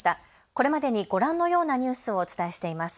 これまでにご覧のようなニュースをお伝えしています。